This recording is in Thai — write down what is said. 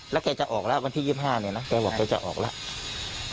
แล้วแกจะออกแล้ววันที่๒๕เนี่ยนะแกบอกแกจะออกแล้ว